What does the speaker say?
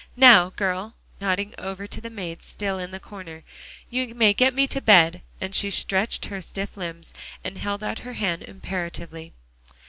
Now, girl," nodding over to the maid still in the corner, "you may get me to bed." And she stretched her stiff limbs, and held out her hand imperatively.